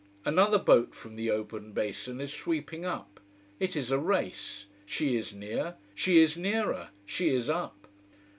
Another boat from the open basin is sweeping up: it is a race: she is near, she is nearer, she is up.